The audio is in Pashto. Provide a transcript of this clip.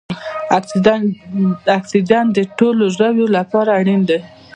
اکسیجن د ټولو ژویو لپاره اړین دی